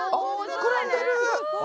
膨らんでる！